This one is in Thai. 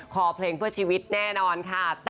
คอเพลงเพื่อชีวิตแน่นอนค่ะ